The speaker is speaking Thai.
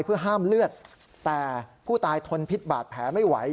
เพื่อห้ามเลือดแต่ผู้ตายทนพิษบาดแผลไม่ไหว